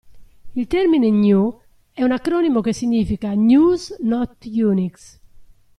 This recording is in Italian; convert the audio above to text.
Il termine GNU è un acronimo che significa "GNU's not Unix".